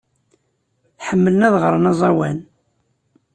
Ḥemmlen ad ɣren aẓawan.